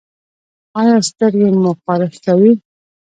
ایا سترګې مو خارښ کوي؟